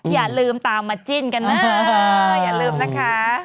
อย่าลืมตามมาจิ้นกันนะอย่าลืมนะคะ